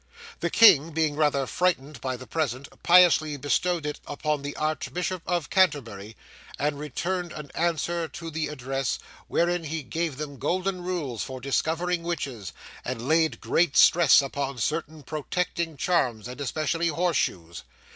The king, being rather frightened by the present, piously bestowed it upon the Archbishop of Canterbury, and returned an answer to the address, wherein he gave them golden rules for discovering witches, and laid great stress upon certain protecting charms, and especially horseshoes.